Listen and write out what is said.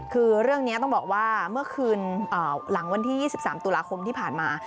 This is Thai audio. คือเรื่องนี้ต้องบอกว่าเมื่อคืนหลังวันที่๒๓ตุลาคมที่ผ่านมา